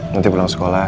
nanti pulang sekolah